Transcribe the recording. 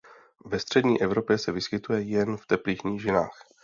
Ve Střední Evropě se vyskytuje jen v teplých nížinách.